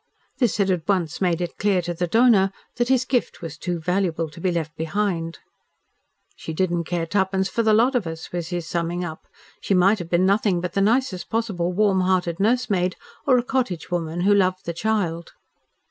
This had at once made it clear to the donor that his gift was too valuable to be left behind. "She did not care twopence for the lot of us," was his summing up. "She might have been nothing but the nicest possible warm hearted nursemaid or a cottage woman who loved the child."